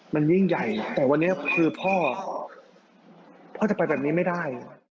มันยิ่งใหญ่แต่วันนี้คือพ่อพ่อจะไปแบบนี้ไม่ได้